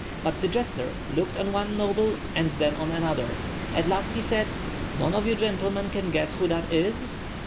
But the jester looked on one noble and then on another; at last he said, "None of you gentlemen can guess who that is?"